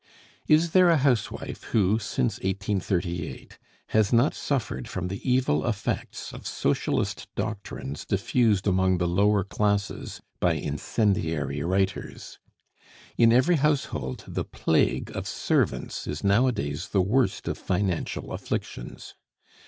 Is there a housewife who, since 1838, has not suffered from the evil effects of Socialist doctrines diffused among the lower classes by incendiary writers? In every household the plague of servants is nowadays the worst of financial afflictions.